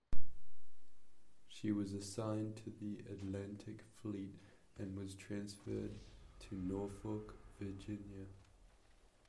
She was assigned to the Atlantic Fleet and was transferred to Norfolk, Virginia.